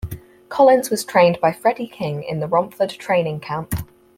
Collins was trained by Freddie King in the Romford training camp.